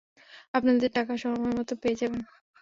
আপনাদের টাকা সময়মতো পেয়ে যাবেন।